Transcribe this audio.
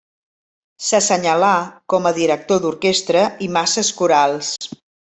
S'assenyalà com a director d'orquestra i masses corals.